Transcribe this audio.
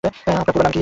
আপনার পুরো নাম কী?